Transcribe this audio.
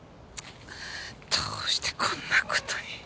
どうしてこんな事に。